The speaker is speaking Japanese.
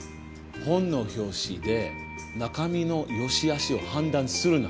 「本の表紙で中身の善し悪しを判断するな」。